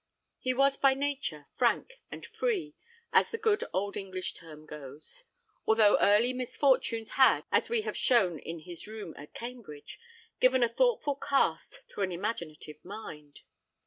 He was by nature frank and free, as the good old English term goes, although early misfortunes had, as we have shown in his room at Cambridge, given a thoughtful cast to an imaginative mind.